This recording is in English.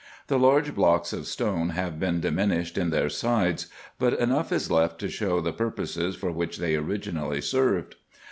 The large blocks of stone have been diminished in their sides, but enough is left to show the purposes for which they originally served.